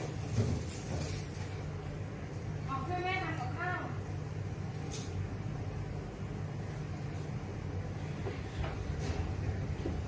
ออกเพื่อแม่นักกับข้าว